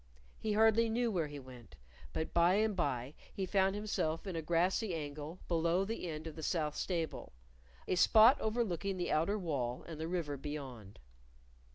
He hardly knew where he went, but by and by he found himself in a grassy angle below the end of the south stable; a spot overlooking the outer wall and the river beyond.